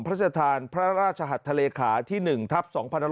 พระเศษฐานพระราชหัตถ์ทะเลขาที่๑ทัพ๒๑๖๖